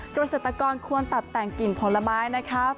เกษตรกรควรตัดแต่งกลิ่นผลไม้นะครับ